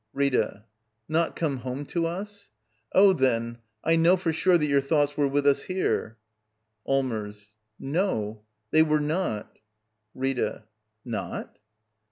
Rita. Not come home to us? Oh, then, I know for sure that your thoughts were with us here. Allmers. No; they were not Rita. Not?